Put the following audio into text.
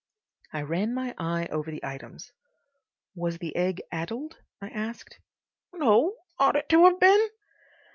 I ran my eye over the items. "Was the egg addled?" I asked. "No. Ought it to have been?"